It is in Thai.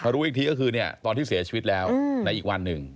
รู้อีกทีก็คือตอนที่เสียชีวิตแล้วในอีกวันหนึ่ง